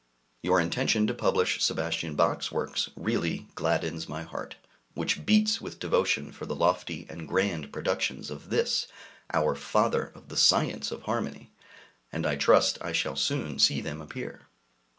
Your intention to publish Sebastian Bach's works really gladdens my heart, which beats with devotion for the lofty and grand productions of this our father of the science of harmony, and I trust I shall soon see them appear.